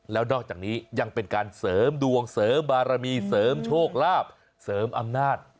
แล้วนอกจากนี้ยังเป็นการเสริมดวงเสริมบารมีเสริมโชคลาภเสริมอำนาจ